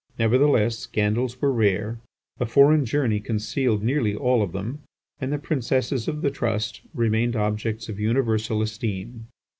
Nevertheless, scandals were rare, a foreign journey concealed nearly all of them, and the Princesses of the Trusts remained objects of universal esteem.